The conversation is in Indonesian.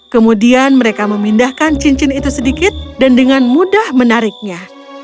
kemudian mereka memindahkan cincin itu sedikit dan dengan mudah menariknya